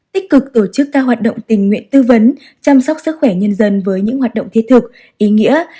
tích cực tổ chức các hoạt động tình nguyện tư vấn chăm sóc sức khỏe nhân dân với những hoạt động thiết thực ý nghĩa